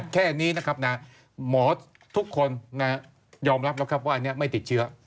แค่นี้นะครับหมอทุกคนยอมรับแล้วครับว่าอันนี้ไม่ติดเชื้อ